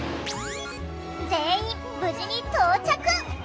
全員無事に到着。